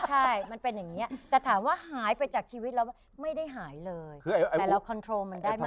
ใช่มันเป็นอย่างนี้แต่ถามว่าหายไปจากชีวิตเราไม่ได้หายเลยแต่เราคอนโทรลมันได้ไหม